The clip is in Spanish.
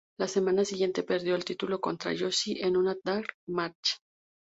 La semana siguiente perdió el título contra Josie en una dark match.